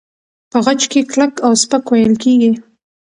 په خج کې کلک او سپک وېل کېږي.